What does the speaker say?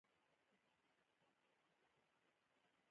پلار مې بزګر و، الله ج دې مغفرت ورته وکړي